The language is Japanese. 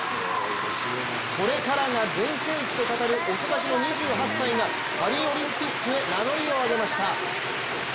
これからが全盛期と語る遅咲きの２８歳がパリオリンピックへ名乗りを上げました。